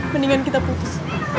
mendingan kita putus